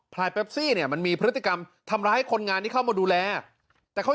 ลายแปปซี่เนี่ยมันมีพฤติกรรมทำร้ายคนงานที่เข้ามาดูแลแต่เขา